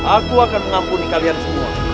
aku akan mengampuni kalian semua